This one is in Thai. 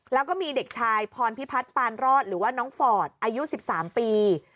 แล้วก็มีเด็กชายพรพิพัฒน์ปานรอดหรือว่าน้องฟอร์ดอายุ๑๓ปี